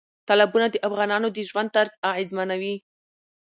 تالابونه د افغانانو د ژوند طرز اغېزمنوي.